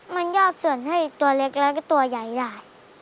มันยอดส่วนให้ตัวเล็กแล้วก็ตัวใหญ่ได้